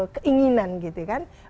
keinginan gitu kan